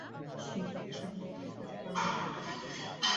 আশ্চর্যের বিষয় হল পৃথিবী থেকে আমি কখনো এটা দেখিনি।